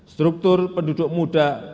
struktur penduduk muda